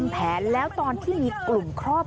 คุณผู้ชมคุณผู้ชมคุณผู้ชม